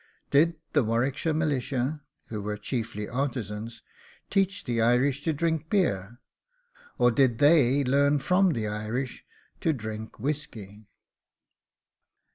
Did the Warwickshire militia, who were chiefly artisans, teach the Irish to drink beer? or did they learn from the Irish to drink whisky?